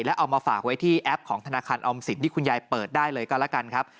แล้วเอามาฝากไว้ที่แอปของธนาคารออมสินที่คุณยายเปิดได้เลยก็แล้วกันครับ